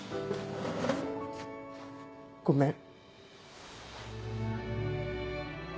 ごめん。